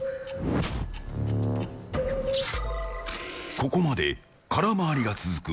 ここまで空回りが続く